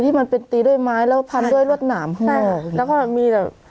มันเป็นตีด้วยไม้แล้วพันด้วยรวดหนามห้อยแล้วก็มีแบบ